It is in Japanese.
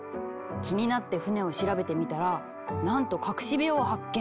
気になって船を調べてみたらなんと隠し部屋を発見！